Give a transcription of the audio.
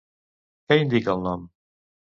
Què indica el nom?